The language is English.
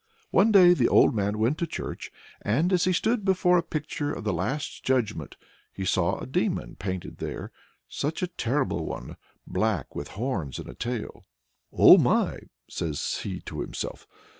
One day the old man went to church, and as he stood before a picture of the Last Judgment he saw a Demon painted there such a terrible one! black, with horns and a tail. "O my!" says he to himself.